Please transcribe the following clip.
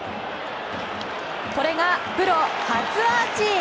これがプロ初アーチ。